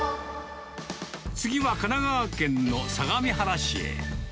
次は神奈川県の相模原市へ。